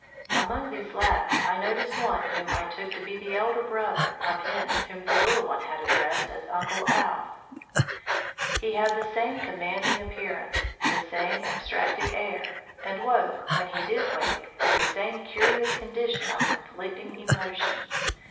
Among these latter I noticed one whom I took to be the elder brother of him whom the little one had addressed as Uncle Alph. He had the same commanding appearance, the same abstracted air, and woke, when he did wake, to the same curious condition of conflicting emotions.